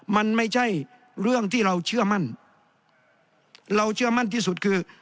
มันไม่ใช่เรื่องที่เราเชื่อมั่นเราเชื่อมั่นที่สุดคือ